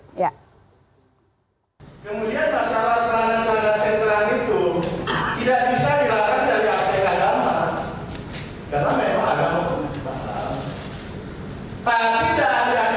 kemudian masalah celana celana cingkirang itu tidak bisa dilakukan dari arti agama